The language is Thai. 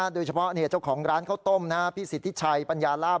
โดยเฉพาะเจ้าของร้านข้าวต้มพี่สิทธิชัยปัญญาลาบ